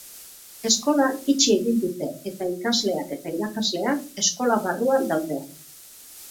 Eskola itxi egin dute eta ikasleak eta irakasleak eskola barruan daude.